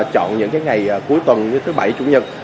chọn những ngày cuối tuần như thứ bảy chủ nhật